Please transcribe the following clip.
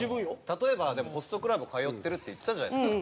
例えばでもホストクラブ通ってるって言ってたじゃないですか。